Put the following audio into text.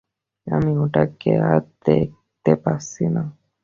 আমি ওটাকে আর দেখতে পাচ্ছি না।